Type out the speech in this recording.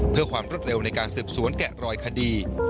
เพื่อความรวดเร็วในการสืบสวนแกะรอยคดี